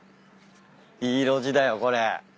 いい路地だよこれ。